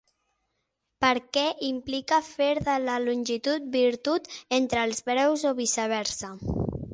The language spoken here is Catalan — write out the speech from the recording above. Perquè implica fer de la longitud virtut entre els breus o viceversa.